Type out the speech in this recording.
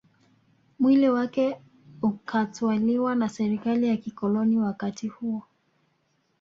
Mwili wake ukatwaliwa na Serikali ya kikoloni wakati huo